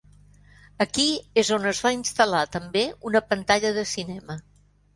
Aquí és on es va instal·lar també una pantalla de cinema.